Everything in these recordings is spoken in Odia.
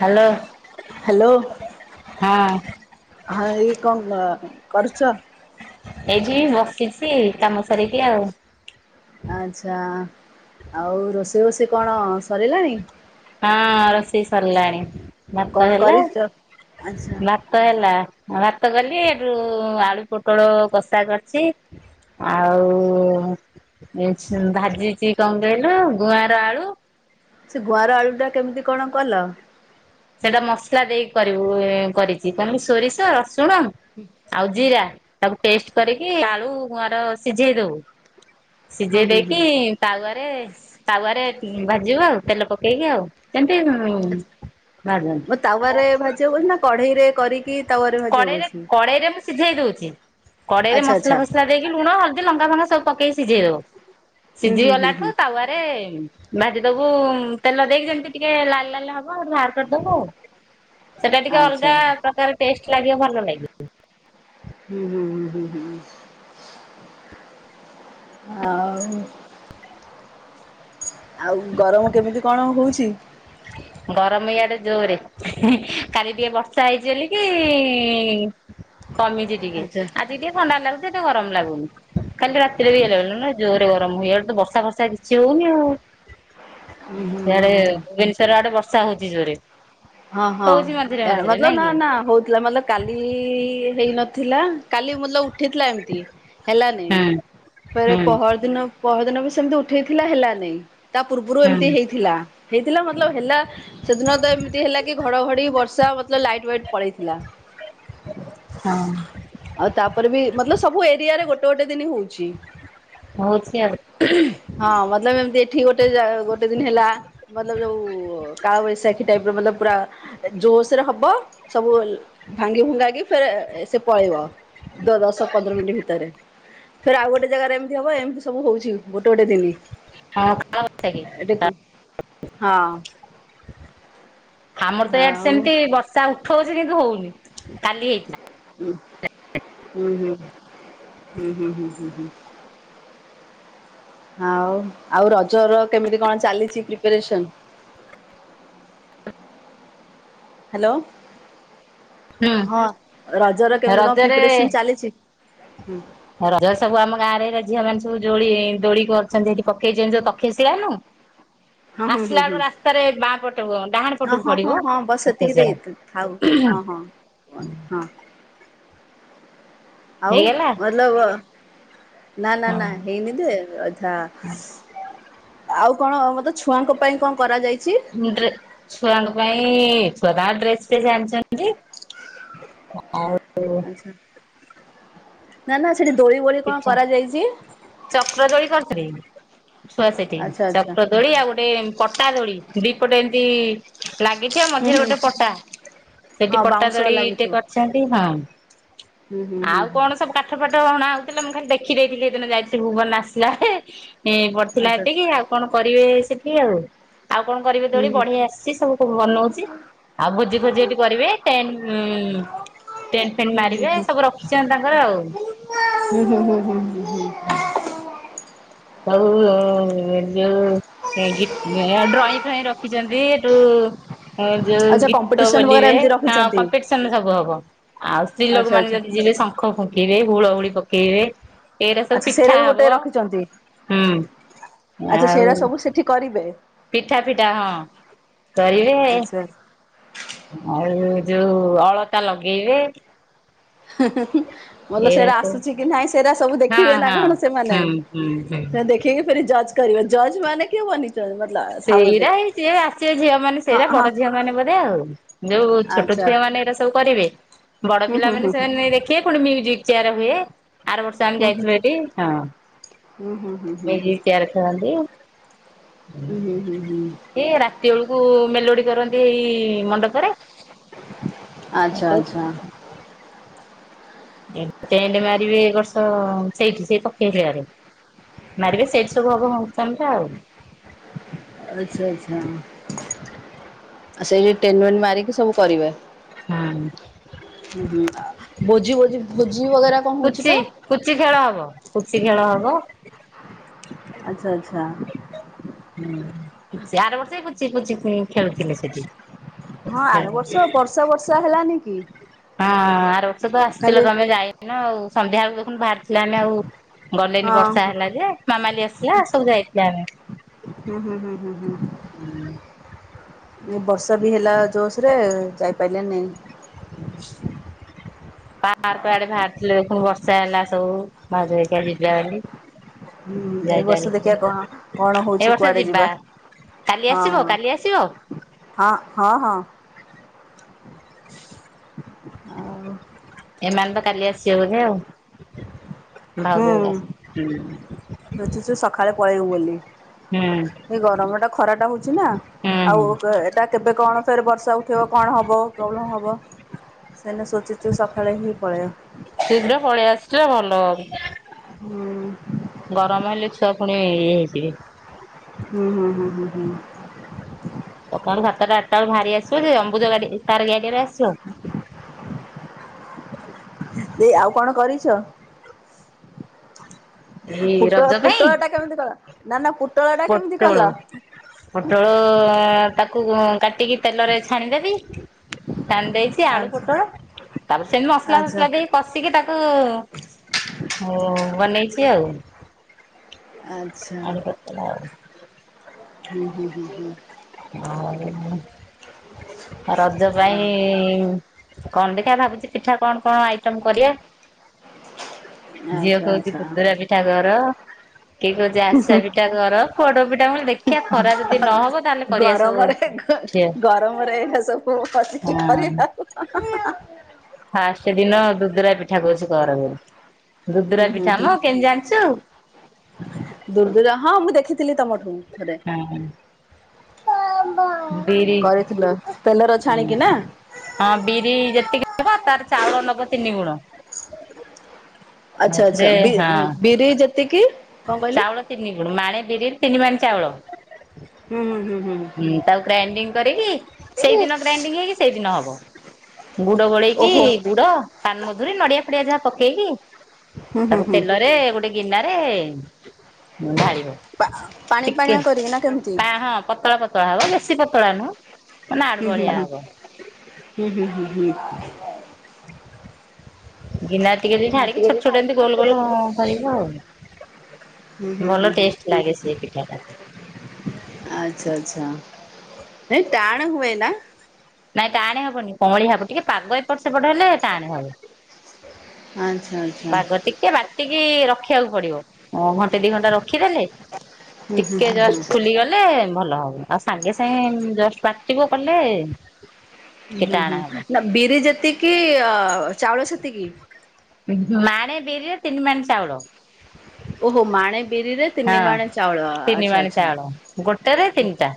ହାଲୋ। ହାଲୋ, ହଁ ଏଇ କଣ କରୁଛ? ଏଇଠି ବସିଛି କାମ ସାରିକି ଆଉ। ଆଚ୍ଛା, ଆଉ ରୋଷେଇ ବୋଷେଇ କଣ ସରିଲାଣି? ହଁ ରୋଷେଇ ସରିଲାଣି, ଭାତ କଣ ହେଲା କରିଛ? ଆଚ୍ଛା ଭାତ ହେଲା, ଭାତ କଲି ଏଠୁ ଆଳୁ ପୋଟଳ କଷା କରିଛି ଆଉ ଭାଜିଛି କଣ କହିଲ, ଗୁଆଁର ଆଳୁ ସେ ଗୁଆଁର ଆଳୁ ଟା କେମିତି କଣ କଲ? ସେଇଟା ମସଲା ଦେଇକି କରିବୁ କରିଛି କଣ ସୋରିଷ ରସୁଣ [inaudible] ଆଉ ଜିରା, ତାକୁ ପେଷ୍ଟ କରିକି ଆଳୁ ଗୁଆଁର ସିଝେଇ ଦବୁ ହୁଁ ସିଝେଇ ହୁଁ ଦେଇକି ହୁଁ ତାୱରେ ତାୱରେ ଭାଜିବ ଆଉ ତେଲ ପକେଇକି ଆଉ। ସେମତି ଉଁ ଭାଜନ୍ତି। ମୋ ତାୱରେ ଭାଜିବୁ ନା କଢ଼େଇରେ କରିକି ତାୱାରେ ଭାଜିବାକୁ କଡେଇରେ କହୁଛି? କଡେଇରେ ମୁଁ ସିଝେଇ ଦଉଛି, କଡେଇରେ ଆଚ୍ଛା ମସଲା ଆଚ୍ଛା ଫସଲା ଦେଇକି ଲୁଣ ହଳଦୀ ଲଙ୍କା ଫଙ୍ଗା ସବୁ ପକେଇି ସିଝେଇ ଦବୁ, ହୁଁ ସିଝି ହୁଁ ହୁଁ ହୁଁ ଗଲାଠୁ ତାୱରେ ଭାଜିଦବୁ ତେଲ ଦେଇକି ଯେମତି ଟିକେ ଲାଲ ଲାଲ ହବ ଆଉ ବାହାର କରିଦବୁ ଆଉ। ସେଟା ଟିକେ ଆଚ୍ଛା ଅଲଗା ପ୍ରକାର ଟେଷ୍ଟ ଲାଗିବ ଭଲ ଲାଗିବ। ହୁଁ ହୁଁ ହୁଁ ହୁଁ ହୁଁ [inaudible] ଆଉ।। ଆଉ ଗରମ କେମିତି କଣ ହଉଛି? ଗରମ ଇଆଡେ ଜୋରେ। ହେଁଏ କାଲି ଟିକେ ବର୍ଷା ହେଇଛି ବୋଲି କି ଇଂ କମିଛି ଟିକେ। ଆଚ୍ଛା ଟିକେ ଥଣ୍ଡା ଲାଗୁଛି ସେତେ ଗରମ ଲାଗୁନି। କାଲି ରାତିରେ ବି ହେଲା ବବେଳୁ [unintelligible] ନା ଜୋରରେ ଗରମ ହୁଏ ଇଆଡ଼େ ତ ବର୍ଷା ଫର୍ଷା କିଛି ହଉନି ଆଉ। ହୁଁ ହୁଁ ସିଆଡେ ହୁଁ। ଭୁବନେଶ୍ୱର ଆଡେ ବର୍ଷା ହଉଚି ଜୋରେ? ହଁ ହଁ ହଉଛି ମଝିରେ ଏ ଆଡ଼େ ମଝିରେ ମତଲବ ନାଇଁ ନା କି? ନା ହଉଥିଲାଥିଲା [unintelligible] କାଲି ହେଇନଥିଲା କାଲି ମତଲବ୍ ଉଠେଇଥିଲା ଏମ୍ତି। ହେଲାନାଇ, ହୁଁ ପରେ ହୁଁ ପହର ଦିନ ପହର ଦିନ ବି ସେମିତି ଉଠେଇଥିଲା ହେଲାନାଇ। ତା ପୂର୍ବରୁ ଏମିତି ହୁଁ ହେଇଥିଲା ହେଇଥିଲା ମତଲବ୍ ହେଲା ସେଦିନ ତ [unintelligible] ହେଲା କି ଘଡଘଡି ବର୍ଷା ମତ୍ଲଵ୍ ଲାଇଟ୍ ଫାଇଟ୍ ପଳେଇଥିଲା। ହଁ ଆଉ ତାପରେ ବି ମତ୍ଲଵ୍ ସବୁ ଏରିଆ ରେ ଗୋଟେ ଗୋଟେ ଦିନ ହଉ ହଉଛି ଆଉ [unintelligible] ହଁ ମତ୍ଲବ ଏମିତି ଏଠି ଗୋଟେ ଯା ଗୋଟେ ଦିନ ହେଲା ମତ୍ଲବ୍ ଯୋଉ କାଳବୈଶାଖୀ ଟାଇପ ମତଲବ୍ ପୁରା ଜୋସରେ ହବ ସବୁ ଭାଙ୍ଗି ଭୁଙ୍ଗା କିି ଫେରେ ସେ ପଳେଇବ ଦ ଦଶ ପନ୍ଦର ମିନିଟ ଭିତରେ। ଫେରେ ଆଉ ଗୋଟେ ଜାଗାରେ ଏମିତି ହବ ଏମିତି ସବୁ ହୋଉଛି ଗୋଟେ ଗୋଟେ ଦିନି। ହଁ [unintelligible] ଆମର ତ ଇଆଡ଼େ ଆଉ ସେମିତି ବର୍ଷା ଉଠୋଉଛି କିନ୍ତୁ ହଉନି କାଲି ହେଇଥିଲା। ହୁଁ ହୁଁ ହୁଁ ହୁଁ ହୁଁ ହୁଁ ହୁଁ ହୁଁ। ଆଉ ଆଉ ରଜ ର କେମିତି କଣ ଚାଲିଛି ପ୍ରିପାରେସନ? ହାଲୋ। ହୁଁ ହଁ ରଜ ର କେମିତି କଣ ରଜରେ ପ୍ରିପାରେସନ ଚାଲିଛି? ରଜରେ ସବୁ ଆମ ଗାଁରେ ଝିଅ ମାନ ସବୁ ଦୋଳି ଦୋଳି କରିଛନ୍ତି ଏଠି ପକେଇଛନ୍ତି ଯୋଉ ତକ୍ଷଶିଳା ନୁ [inaudible] ହଁ ହୁ ହୁ ହୁ ବାଁ ପଟକୁ ଡାହାଣ ହଁ ପଟକୁ ହଁ ପଡିବ ହଁ ହଁବାସ୍ ଏତିକିି ଦେ କେଜେଡା ଏତେ ଆଉ ହଁ ହଁ କ ହଁ। ଆଉ ହେଇଗଲା ଭଲବ ନା ନା ନା ହଁ ହେଇନି ଯେ ଆ ଆଉ କଣ ବୋଧେ ଛୁଆଙ୍କ ପାଇଁ କଣ କରାଯାଇଛି? ଡ୍ରେ ଛୁଆଙ୍କ ପାଇଁ ଛୁଆ ତାଙ୍କ ଡ୍ରେସ ଫ୍ରେଶ ଆାଣିଛନ୍ତି। ଆଉ। ଆଚ୍ଛା ନା ନା [unintelligible] କଣ ପିଠା କରାଯାଇଛି? ଚକ୍ର ଦୋଳି କରିଥିଲେ ଛୁଆ ସେଠି ଆଚ୍ଛା ଆଚ୍ଛା। ଚକ୍ର ଦୋଳି ଆଉ ଗୋଟେ ପଟା ପଟା ଦୋଳି ଦିପଟେ ଏମିତି ଲାଗିଛି ସେ ହୁଁ ମଝିରେ ହୁଁ ଗୋଟେ ପଟା ହଁ ସେଇଠି ପଟା ବାଉଁଶ ଦୋଳି ଟେ ଲାଗିଥିବ କରିଛନ୍ତି ହଁ। ହୁଁ ହୁଁ ଆଉ ହୁଁ ହୁଁ। କଣ ସବୁ କାଠ ପାଠ ହଣା ହୋଉଥିଲା ମୁଁ ଖାଲି ଦେଖି ଦେଇଥିଲି ସେଇଦିନ ଯାଇଥିଲି ଭୁବନ ଆସିଲା ବେଳେ। ଏ ପଢିଥିଲା ଆଚ୍ଛା। ଏତିିକି ଆଉ କଣ କରିବେ ସେଠି ଆଉ? ଆଉ କଣ କରିବେ ହୁଁ ଦୋଳି ବଢେଇ ହୁଁ ଆସିଛି ସବୁ କ ବନଉଛି। ଆଉ ଭୋଜି ଫୋଜି ଏଠି କରିବେ ଟେ ଟେଣ୍ଟ ଫେଣ୍ଟ ମାରିବେ ସବୁ ରଖିଛନ୍ତି ତାଙ୍କର ଆଉ। ଉ ହୁ ହୁ ହୁ ହୁ। ଆଉ ଯୋଉ ମ୍ୟାଜିକ ଡ୍ରଇଂ ଫ୍ରଇ ରଖିଛନ୍ତି ହେଠୁ? ଯୋଉ ଆଚ୍ଛା ଗୀତ କମ୍ପିଟିସନ ବଗେରା ବୋଲିବେ ଏମିତି ହ ରଖିଛନ୍ତି କମ୍ପିଟିସନ ସବୁ ହବ ଆଉ ସ୍ତ୍ରୀ ଆଚ୍ଛା ଲୋକମାନେ ଆଚ୍ଛା। ଯଦି ଯିବେ ଶଙ୍ଖ ଫୁଙ୍କିବେ ହୁଳହୁଳି ପକେଇବେ। ଏଇରା ସବୁ ପିଠା ହବ। ଛନ୍ତି। ହୁଁ ଆଉ ସବୁ ସେଠି କରିବେ ପିଠା ପିଠା ହଁ କରିବେ ଆଚ୍ଛା। ଆଉ ଯୋଉ ଅଳତା ଲଗେଇବେ। ଭଲ ଏଇରା ସେଇରା ସବୁ ଆସୁଛି କି ନାହିଁ ସେରା ସବୁ ହଁ ଦେଖିବେ ନା ହଁ କଣ ସେମାନେ? ହୁଁ ହୁଁ। ସେରା ଦେଖୀକିି ଫେରି ଜଜ୍ କରିବେ ଜଜ୍ ମାନେ କେଉଁମାନେ? ସେଇରା ହେଇ ଯିଏ ଆସିବେ ଝିଅ ମାନେ ହଁ ସେରା ହଁ ବଡ ଝିଅ ମାନେ ବୋଧେ ଆଉ। ଯୋଉ ଛୋଟ ଆଚ୍ଛା ଛୁଆ ମାନେ ଏଇରା ସବୁ କରିବେ ବଡ ହୁଁ ହୁଁ ପିଲାମାନେ ହୁଁ ସେମାନେ ନେଇକି ଦେଖି ବେ ପୁଣି ମ୍ୟୁଜିକ ଚେୟାର ହୁଏ। ଆର ବର୍ଷ ଆମେ ହୁଁ ହୁଁ ଯାଇଥିଲୁ ଏଠି ହଁ ହୁଁ ହୁଁ ହୁଁ ହୁଁ। ମ୍ୟୁଜିକ୍ ଚେୟାର ଖେଳନ୍ତି। ହୁଁ ହୁଁ ହୁଁ ହୁଁ। ଏ ରାତି ବେଳକୁ ମେଲୋଡି କରନ୍ତି ଏଇ ମଣ୍ଡପରେ। ଆଚ୍ଛା ଆଚ୍ଛା। ଏ ଟେଣ୍ଟେ ମାରିବେ ଏ ବର୍ଷ ସେଇଠି ସେଇ ତକ୍ଷଶିଳାରେ। ମାରିବେ ସେଇଠି ସବୁ ହବ ଅନୁଷ୍ଠାନ ଟା ଆଉ। ଆଚ୍ଛା ଆଚ୍ଛା ଆ ସେଇଠି ଟେଣ୍ଟ ପେଣ୍ଟ ମାରିକି ସବୁ କରିବେ? ହଁ। ହୁଁ ହୁଁ ଆ ବୋଜି ବୋଜି ଭୋଜି ବଗେରା କଣ ହଉଛି ପୁଚି ପା? ପୁଚି ଖେଳ ହବ ପୁଚି ଖେଳ ହବ। ଆଚ୍ଛା ଆଚ୍ଛା। ହୁଁ ସେ ଆର ବର୍ଷ ବି ପୁଚି ପୁଚି ଖେଳୁଥିଲେ ସେଠି ହଁ ଆର ବର୍ଷ ହୁଁ ବର୍ଷା ବର୍ଷା ହେଲାନି କି? ହଁ ଆର ବର୍ଷ ତ ଆସିଥିଲ ଖାଲି ତମେ ଯାଇନ ଆଉ ସନ୍ଧ୍ୟାବେଳକୁ ଦେଖୁନୁ ବାହାରିଥିଲେ ଆମେ ଆଉ ଗଲେନି ହଁ ବର୍ଷା ହେଲା ଯେ ମାମାଲି ଆସିଲା ସବୁ ଯାଇଥିଲେ ଆମେ। ହୁଁ ହୁଁ ହୁଁ ହୁଁ ହୁଁ ଏ ବର୍ଷା ବି ହେଲା ଜୋସ୍ ରେ ଯାଇପାଇଲେ ନାଇଁ। ପାର୍କ ଆଡେ ଭାଆରିଥିଲେ ଦେଖୁନୁ ବର ର୍ଷା ହେଲା ସବୁ ଭାଉଜ ହାରିକା [unintelligible] ହୁଁ ଏଇ ବର୍ଷ ଦେଖିଆ କଣ କଣ ଏ ହଉଚି ବର୍ଷ କୁଆଡେ ଯିବା। କାଲି ହଁ ଆସିବ ହଁ। କାଲି ଆସିବ। ହଁ, ହଁ ହଁ। ଆଉ ଏମାନେ ତ କାଲି ଆସିବେ ବୋଧେ ଆଉ। ଭାଉଜ ହେରିୟା ଆସ ହୁଁ। ଲୁଚୁଛୁ ସଖାଳେ ପଳେଇବୁ ବୋଲି। ହୁଁ ଏ ଗରମ ଟା ଖରା ଟା ହଉଛି ନା ହୁଁ ଆଉ କେ ଏଟା କେବେ କଣ ଫେର୍ ବର୍ଷା ହ ଥିବ କଣ ହବ ପ୍ରୋବ୍ଲେମ୍ ହବ ସେଇନାଗି ସୋଚିଛୁ ସଖାଳେ ହିଁ ପଳେଇବା। ଶୀଘ୍ର ପଳେଇ ଆସଛ ଭଲ। ହୁଁ ଗରମ ହେଲେ ଛୁଆ ପୁଣି ଇଏ ହେଇଯିବେ। ହୁଁ ହୁଁ ହୁଁ ହୁଁ ହୁଁ। ସକାଳୁ ସାତଟା ଆଠ ଟା ବେଳୁ ଭାଆରି ଆସିବ ଅମ୍ବୁଜ ଗାଡି ତାର ଗାଡ଼ି ରେ ଆସିବ। ଦେଈ ଆଉ କଣ କରିଛ? [inaudible] ପୁଟଳ ରଜ ପାଇଁ। ପୁଟଳ ଟା କେମିତି କଲ? ନା ନା ପୁଟଳ ଟା କେମିତି ପୋଟଳ କଲ? ପୋଟଳ ତାକୁ କାଟିକି ତେଲରେ ଛାଣିଦେବି। ଛାଣି ଦେଇଛି ଆଳୁ ଆଚ୍ଛା ପୋଟଳ ତାପରେ ସେମତି ମସଲା ଆଚ୍ଛା ଫସଲା ଦେଇ କଶିକି ତାକୁ ଉ ବନେଇଛି ଆଉ। [unintelligible] [unintelligible] [unintelligible] ଆଉ ରଜ ପାଇଁ ଆଉ ଇ କଣ ଦେଖିଆ ଭାବୁଛି ପିଠା କଣ କଣ ଆଇଟମ କରିବା। ଝିଅ ଆଚ୍ଛା କହୁଚି ଆଚ୍ଛା। [unintelligible] ପିଠା କର। କିଏ କହୁଛି ଆରିସା ପିଠା କର ପୋଡ ପିଠା ମୁଁ କହିଲି ଦେଖିଆ ଖରା ଯଦି ନହବ ତାହେଲେ କରିବା ସବୁ ଗରମରେ ଘ ଝିଅ ଗରମରେ ଏ ସବୁ ବସିକି ହଁ କରିବା ଆଉ କଣ। ଫାଷ୍ଟ ଦିନ ଦୁଦୁରା ପିଠା କହୁଚି କର ବୋଲି। ଦୁଦୁରା ପିଠାମ କେମତି ଜାଣିଚୁ? ଦୁଦୁରା ହଁ ମୁଁ ଦେଖିଥିଲି ତମଠୁ ଥରେ। ବିରି କରିଥିଲ ତେଲରେ ଛାଣିକି ନା। ହଁ ବିରି ଯେତିକି ନବ ତାର ଚାଉଳ ନବ ତିନି ଗୁଣ। ଆଚ୍ଛା ଆଚ୍ଛା ସେଥିରେ ହଁ ବିର୍ ବିରି ଯେତିକି କଣ କହିଲେ? ଚାଉଳ ତିନି ଗୁଣ୍ ମାଣେ ବିରି ରେ ତିନି ମାଣ ଚାଉଳ। ହୁଁ ହୁଁ ହୁଁ ହୁଁ ତାକୁ ଗ୍ରାଇଣ୍ଡିଙ୍ଗ କରିକି ହୁଁ ସେଇଦିନ ଗ୍ରାଇଣ୍ଡିଙ୍ଗ ହେଇକି ସେଇଦିନ ହବ। ଗୁଡ ଗୋଳେଇକି ଓହୋ ଗୁଡ ପାନ୍ ମଧୁରୀ ନଡିଆ ଫଡିଆ ଯାହା ପକେଇକି ହୁଁ ହୁଁ ତାକୁ ହୁଁ। ତେଲରେ ଗୋଟେ ଗିନାରେ ଢାଳିବ। ପା ପାଣି ଟିକେ ପାଣିଆ କରିକି ନା କେମିତି? କା ହଁ ପତଳା ପତଳା ହବ ବେଶୀ ପତଳା ନୁହଁ। ମାନେ ଆଡୁ ହୁଁ ହୁଁ ବଢିଆ ହୁଁ। ହବ ହୁଁ ହୁଁ ହୁଁ ହୁଁ। ଗିନା ରେ ଟିକେ ଟିକେ ଢାଳିକି ଛୋଟ ଛୋଟ ଏମତି ଗୋଲ ଗୋଲ‍ କରିବ ଆଉ। ଭଲ ଟେଷ୍ଟ ଲାଗେ ସେ ପିଠା ଟା। ଆଚ୍ଛା ଆଛା ନାଇଁ ଟାଣ ହୁଏନା। ନାଇଁ ଟାଣେ ହବନି କଅଁଳିଆ ହବ। ଟିକେ ପାଗ ଏପଟ ସେପଟ ହେଲେ ଟାଣେ ହବ। [inaudible] ଆଛା ଆଛା। ପାଗ ଟିକେ ବାଟିକି ରଖିବାକୁ ପଡିବ ଘଣ୍ଟେ ଦି ଘଣ୍ଟା ରଖିଦେଲେ। ଟିକେ ଯଷ୍ଟ ଫୁଲିଗଲେ କଲେ ଭଲ ହବ। ଆଉ ସାଙ୍ଗେ ସାଙ୍ଗେ ଜଷ୍ଟ ବାଟିବ କଲେ ଟିକେ ହୁଁ ଟାଣ ହୁଁ ହବ ନା ବିରି ଯେତିକି ଅ ଚାଉଳ ସେତିକି। ମାଣେ ବିରିରେ ତିନି ମାଣେ ଚାଉଳ। ଓହୋ ମାଣେ ବିରିରେ ହଁ ତିନି ମାଣେ ଚାଉଳ ତିନି ଆଚ୍ଛା ମାଣେ ଚାଉଳ ଗୋଟେରେ ଆଚ୍ଛା। ତିନିଟା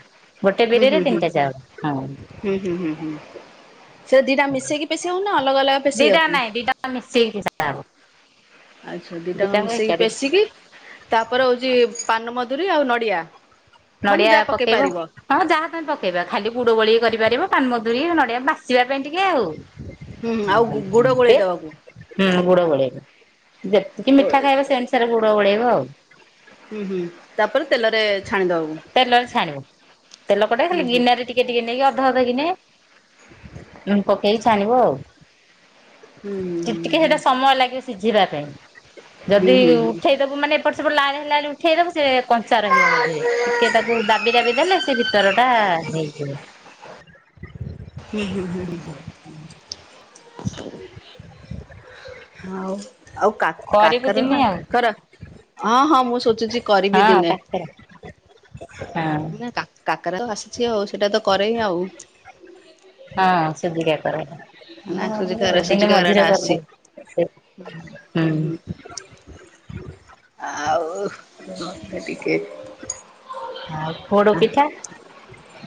ଗୋଟେ ହୁଁ ବିରିରେ ହୁଁ ହୁଁ। ତିନିଟା ଚାଉଳ ହଁ ହୁଁ ହୁଁ ହୁଁ ହୁଁ। ସେ ଦିଟା ମିଶେଇକି ପେଶେଇବ ନା ଅଲଗା ଅଲଗ ଦିଟା ପେଶିବାକୁ। ନାଇଁ ଦିଟା ଯାକ ମିଶେଇକି ପେଷାହବ। ଆଚ୍ଛା ଦିଟାଆକ ମିଶେଇକି ପେଶିକି ତାପରେ ହେଉଛି ପାନମଧୁରୀ ଆଉ ନଡ଼ିଆ ମାନେ ନଡିଆ ଯାହା ପକେଇ ପକେଇବ। ପାରିବ ହଁ ଯାହା ତମେ ପକେଇବ ଖାଲି ଗୁଡ ଗୋଳେଇକି କରିପାରିବ ପାନମଧୁରୀ ନଡିଆ ବାସିବା ପାଇଁ ଟିକେ ଆଉ। ହୁଁ ହୁଁ ଆଉ ଗୁଡ଼ ଗୋଳେଇ ଦେବାକୁ [unintelligible] ହୁଁ ଗୁଡ ଗୋଳେଇବ। ଯେତିକି ହୁଁ ମିଠା ଖାଇବ ସେ ଅନୁସାରେ ଗୁଡ ଗୋଳେଇବ ଆଉ। ହୁଁ ହୁଁ ତାପରେ ତେଲରେ ଛାଣିଦବାକୁ ତେଲରେ ଛାଣିବ। ତେଲ କଢାରେ ହୁଁ ଖାଲି ହୁଁ ଗିନାରେ ଟିକେ ଟିକେ ନେଇକି ଅଧ ଅଧ ଗିନେ ପକେଇକି ଛାଣିବ ଆଉ। ହୁଁ ହୁଁ ହୁଁ କେତିକି ହୁଁ ହେଟା ସମୟ ଲାଗିବ ସିଝିବା ପାଇଁ ହୁଁ ହୁଁ ଯଦି-ଇ-ଇ-ଇ ହୁଁ ଉଠେଇ ଦବୁ ମାନେ ଏପଟେ ସେପଟେ ଲାଲ୍ ହେଲାବୋଲି ଉଠେଇଦବୁ ସେ କଂଞ୍ଚା ରହିବ ମଝିରେ। ଟିକେ ତାକୁ ଦାବି ଦାବି ଦେଲେ ସେ ଭିତରଟା ହେଇଯିବ। ହୁଁ ହୁଁ ହୁଁ ହୁଁ। ହଉ, ଆଉ କାକ କରିବୁ କାକରା ଦିନେ ନା ଆଉ କାକରା, ହଁ ହଁ ମୁଁ ସୋଚୁଛି କରିବି ହଁ ଦିନେ। କାକରା ହଁ, କାକ କାକରା ତ ଆସିଛି ଆଉ ସେଇଟା ତ କରେଇ ଆଉ। ହଁ ସୁଜି କାକେରା। ନା ସୁଜି କାକରା [inaudible] ସୁଜି ଦିନେ କାକରା ଟା ମଝିରେ ଆସିଛି କରିଦେବୁ ସେ ହୁଁ। ଆଉ [unintelligible] ଟିକେ ଆଉ ପୋଡ [unintelligible] ହ ପିଠା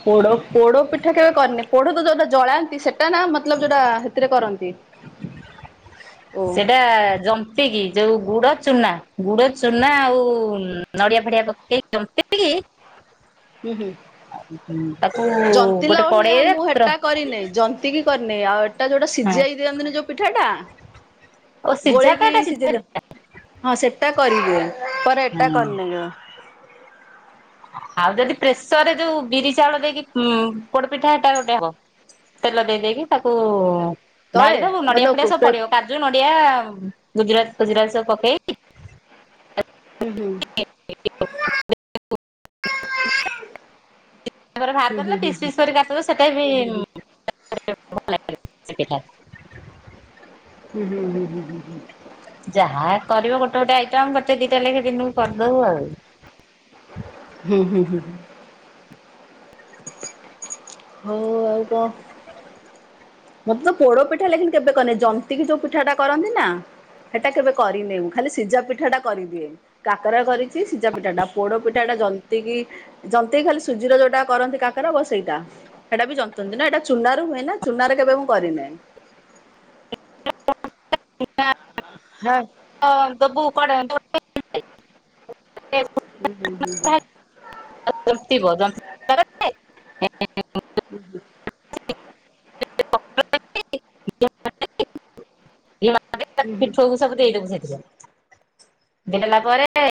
ପୋଡ ପୋଡପିଠା କେବେ କରିନି ପୋଡ ତ ଯୋଉଟା ଜଳାନ୍ତି, ସେଟା ନା ମତଲପ୍ ଯୋଉଟା ହେଥିରେ କରନ୍ତି। ଓ ସେଇଟା-ଆ-ଆ-ଆ ଜ ନ୍ତିକି ଯୋଉ ଗୁଡ, ଚୁନା, ଗୁଡ, ଚୁନା ଆଉ ନଡିଆ ଫଡିଆ ପକେଇକି ଜନ୍ତି ଜନ୍ତିକି ହୁଁ ହୁଁ, ତାକୁ ଜନ୍ତିଲା ଗୋଟେ ଭଳିଆ କଡେଇରେ ମୁଁ ପତ୍ର ହେଟା କରିନେଇ ଜନ୍ତି କିି କରିନେଇ ଆଉ ଏଟା ଯୋଉଟା ହଁ ସିଝାଇ ଦିଅନ୍ତିନି ଯଉ ପିଠାଟା ଓ ସିଝା ତ ଗୋଳେଇକି ଏଟା ସିଝା ସିଝେଇ ଦେ ହଁ ସେଟା କରିହୁଏ ପର ଏଟା ହଁ କରିନି କେବେ। ଆଉ ଯଦି ପ୍ରେସର୍ ରେ ଯୋଉ ବିରି, ଚାଉଳ ଦେଇକି ଉ ପୋଡପିଠା ହେଟା ଗୋଟେ ହବ। ତେଲ ଦେଇ ଦେଇକି ତାକୁ-ଉ-ଉ-ଉ ତଳେ ଢାଳିଦବୁ ନଡିଆ ମତଲବ ଫଡିଆ ସବୁ ପଡିବ କା ଜୁ, ନଡିଆ, ଗୁଜୁରାତି ଫୁଜୁରାତି ସବୁ ପକେଇ ହୁଁ ହୁଁ, ତାପରେ ହୁଁ ଭାରକଲେ ହୁଁ ତାକୁ ହୁଁ ପିସ୍ ପିସ୍ କରିକି କାଟିବୁ ସେଇଟା ବି [inaudible] ସେ ପିଠା। ହୁଁ ହୁଁ ହୁଁ ହୁଁ ହୁଁ। ଯାହା କରିବ ଗୋଟେ ଗୋଟେ ଆଇଟମ ଗୋଟେ ଦିଟା ଲେଖେ ଦିନକୁ କରିଦବୁ ଆଉ। ହୁଁ ହୁଁ ହୁଁ ହୁଁ। ହଉ ଆ କଣ ମୋତେ ତ ପୋଡ ପିଠା ଲେକିନ୍ କେବେ କରିନି ଜନ୍ତିକି ଯୋଉ ପିଠା ଟା କରନ୍ତି ନା ସେଟା କେବେ କରିନେ ମୁ ଖାଲି ସିଝା ପିଠା ଟା କରିଦିଏ। କାକେରା କରିଛି ସିଝା ପିଠା ଟା ପୋଡ ପିଠାଟା ଜନ୍ତିକିି ଜନ୍ତିକି ଖାଲି ସୁଜିର ଯୋଉଟା କରନ୍ତି କାକେର ବସ୍ ସେଇଟା। ସେଇଟା ବି ଜନ୍ତନ୍ତି ନା ଏଇଟା ଚୁନା ରୁ ହୁଏ ନା ଚୁନାରେ କେବେ ମୁଁ କରିନାହିଁ। [inaudible] ହା ହଁ ଦବୁ କୁଆଡେ [inaudible] ହୁଁ ହୁଁ ହୁଁ ହୁଁ, [inaudible] ହୁଁ ହୁ, [inaudible] ପିଠଉ ସବୁ ଦେଇଦବୁ ସେଥିରେ, ଦେଇ ଦେଲା ପରେ